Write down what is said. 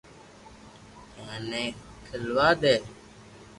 ايني کلوا دي